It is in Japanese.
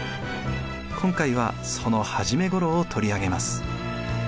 今回はその初めごろを取り上げます。